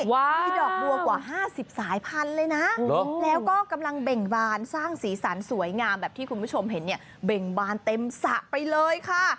มีดอกบัวกว่า๕๐สายพันธุ์เลยนะแล้วก็กำลังเบ่งบานสร้างสีสันสวยงามแบบที่คุณผู้ชมเห็นเนี่ยเบ่งบานเต็มสระไปเลยค่ะ